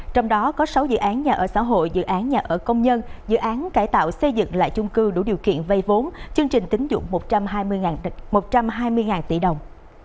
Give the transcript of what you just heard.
trong đó có sáu dự án nhà ở xã hội dự án nhà ở công nhân dự án cải tạo xây dựng lại chung cư đủ điều kiện vây vốn chương trình tính dụng một trăm hai mươi tỷ đồng